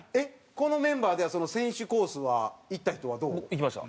このメンバーではその選手コースはいった人はどう？いきました。